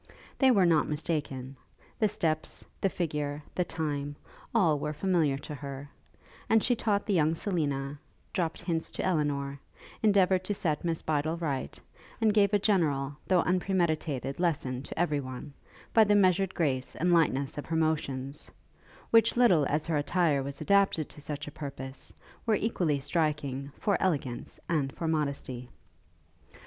They were not mistaken: the steps, the figure, the time, all were familiar to her; and she taught the young Selina, dropt hints to Elinor, endeavoured to set Miss Bydel right, and gave a general, though unpremeditated lesson to every one, by the measured grace and lightness of her motions, which, little as her attire was adapted to such a purpose, were equally striking for elegance and for modesty.